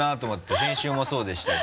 先週もそうでしたし。